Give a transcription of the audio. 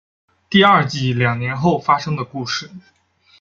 第二季两年后发生的故事。